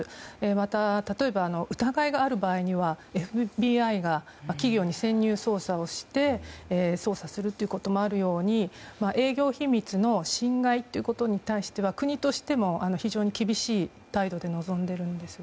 また疑いがある場合にはＦＢＩが企業に潜入捜査をして捜査することもあるように営業秘密の侵害ということに対しては国としても非常に厳しい態度で臨んでいるんです。